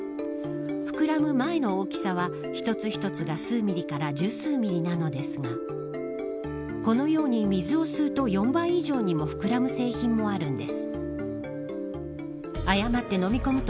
膨らむ前の大きさは一つ一つが数ミリから十数ミリなのですがこのように、水を吸うと４倍以上にも膨らむ製品もあるんです。